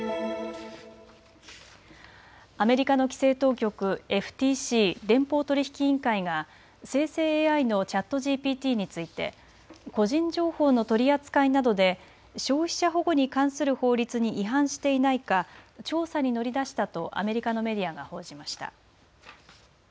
アメリカの規制当局、ＦＴＣ・連邦取引委員会が生成ＡＩのＣｈａｔＧＰＴについて個人情報の取り扱いなどで消費者保護に関する法律に違反していないか調査に乗り出したとアメリカのメディアが報じました。